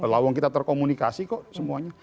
lawang kita terkomunikasi kok semuanya